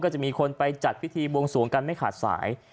จะมีคนไปจัดพิธีบวงสวงกันไม่ขาดสาย